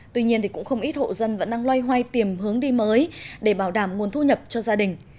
tuy nhiên cũng không ít hộ dân vẫn đang loay hoay tìm hướng đi mới để bảo đảm nguồn thu nhập cho gia đình